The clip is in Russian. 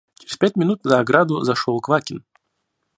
Через пять минут за ограду зашел Квакин.